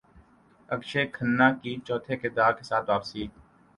اکشے کھنہ کی چھوٹے کردار کے ساتھ واپسی